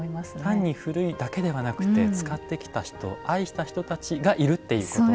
単に古いだけではなくて使ってきた人愛した人たちがいるっていうことですよね。